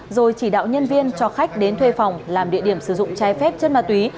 rồi chỉ đạo nhân viên cho khách đến thuê phòng làm địa điểm sử dụng trái phép chất ma túy